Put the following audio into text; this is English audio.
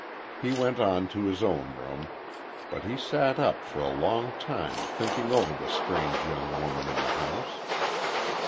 He went on to his own room, but he sat up for a long time thinking over the strange young woman in the house.